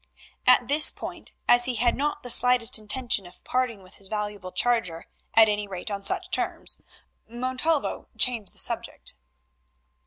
At this point, as he had not the slightest intention of parting with his valuable charger, at any rate on such terms, Montalvo changed the subject.